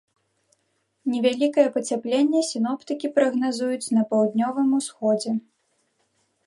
Невялікае пацяпленне сіноптыкі прагназуюць на паўднёвым усходзе.